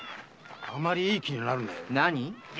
あまりいい気になるなよ。